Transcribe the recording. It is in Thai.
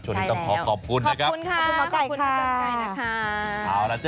พี่ธันรวมขอบคุณตอนนี้ต้องขอขอบคุณนะครับ